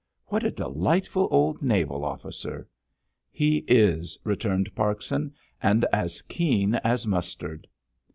"What a delightful old naval officer!" "He is," returned Parkson, "and as keen as mustard."